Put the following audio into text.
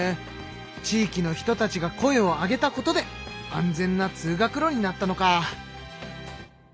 地域の人たちが声を上げたことで安全な通学路になったのか。